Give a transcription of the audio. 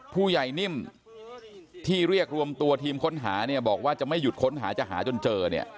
ผู้ใหญ่นิ่มที่เรียกรวมตัวทีมค้นหาเนี่ยบอกว่าจะไม่หยุดค้นหาจะหาจนเจอเนี่ย